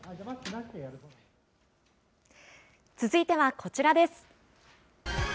続いてはこちらです。